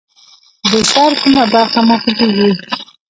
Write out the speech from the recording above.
د سر کومه برخه مو خوږیږي؟